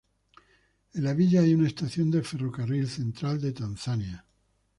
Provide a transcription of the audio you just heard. En la villa hay una estación del ferrocarril central de Tanzania.